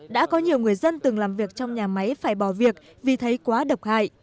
đã có nhiều người dân từng làm việc trong nhà máy phải bỏ việc vì thấy quá độc hại